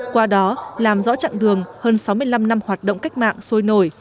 qua đó làm rõ chặng đường hơn sáu mươi năm năm hoạt động cách mạng sôi nổi